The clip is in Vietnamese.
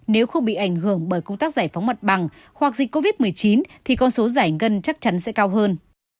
nếu không bị ảnh hưởng bởi công tác giải phóng mặt bằng hoặc dịch covid một mươi chín thì con số giải ngân chắc chắn sẽ cao hơn